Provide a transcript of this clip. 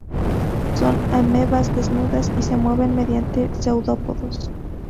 Son amebas desnudas y se mueven mediante seudópodos.